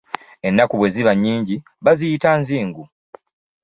Ennaku bwe ziba nnyingi baziyita nzingu.